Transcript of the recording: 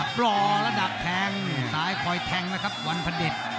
ปล่อระดับแทงซ้ายคอยแทงนะครับวันพระเด็จ